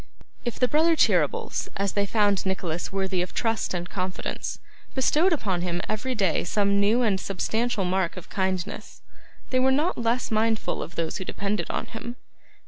If the brothers Cheeryble, as they found Nicholas worthy of trust and confidence, bestowed upon him every day some new and substantial mark of kindness, they were not less mindful of those who depended on him.